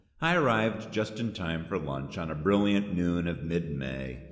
I arrived just in time for lunch on a brilliant noon of mid May.